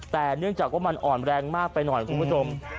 แต่เนื่องจากว่ามันอ่อนแรงมากไปหน่อยคุณผู้ชม